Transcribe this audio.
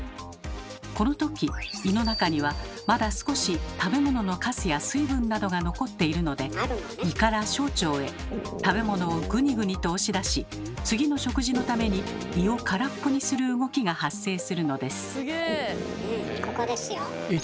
このとき胃の中にはまだ少し食べ物のカスや水分などが残っているので胃から小腸へ食べ物をグニグニと押し出し次の食事のために胃を空っぽにする動きが発生するのです。